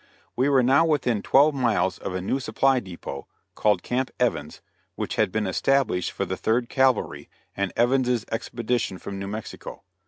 We were now within twelve miles of a new supply dépôt, called Camp Evans, which had been established for the Third Cavalry and Evans's Expedition from New Mexico.